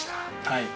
はい。